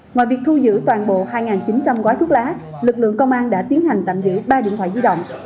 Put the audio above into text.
ngoài việc thu giữ toàn bộ hai chín trăm linh gói thuốc lá lực lượng công an đã tiến hành tạm giữ ba điện thoại di động